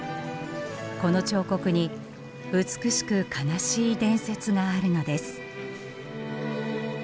この彫刻に美しく悲しい伝説があるのです。